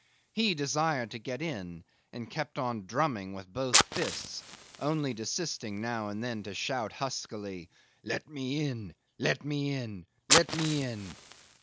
He desired to get in, and kept on drumming with both fists, only desisting now and again to shout huskily, "Let me in! Let me in! Let me in!"